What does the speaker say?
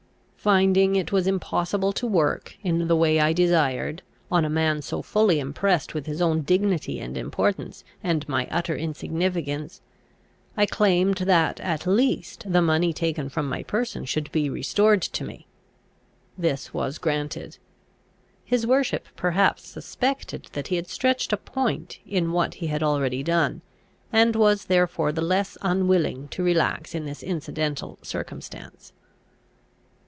Finding it was impossible to work, in the way I desired, on a man so fully impressed with his own dignity and importance and my utter insignificance, I claimed that, at least, the money taken from my person should be restored to me. This was granted. His worship perhaps suspected that he had stretched a point in what he had already done, and was therefore the less unwilling to relax in this incidental circumstance.